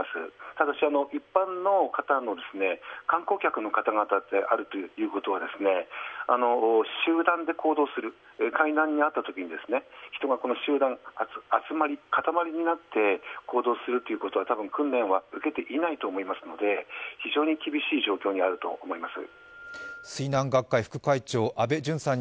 ただし、一般の方の、観光客の方々であるということは集団で行動する、海難に遭ったときに人が集まり、塊になって行動する訓練は受けていないと思われますので、非常に厳しい状況にあると思います。